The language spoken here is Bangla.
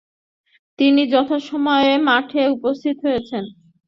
তিনি যথাসময়ে মাঠে উপস্থিত হয়েছেন।